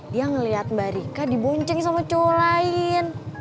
dia ngeliat mbak rika dibonceng sama co lain